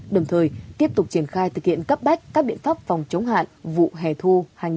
đồng thời tiếp tục triển khai thực hiện cấp bách các biện pháp phòng chống hạn vụ hẻ thu hai nghìn một mươi chín